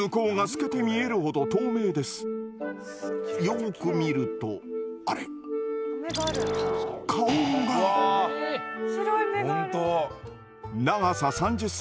よく見るとあれっ顔が⁉長さ３０ｃｍ。